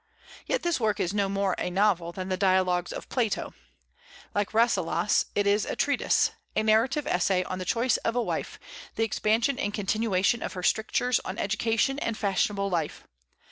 Yet this work is no more a novel than the "Dialogues of Plato." Like "Rasselas," it is a treatise, a narrative essay on the choice of a wife, the expansion and continuation of her strictures on education and fashionable life.